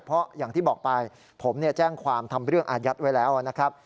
เพราะอย่างที่บอกไปผมแจ้งความทำเรื่องอายัดไว้แล้วนะครับ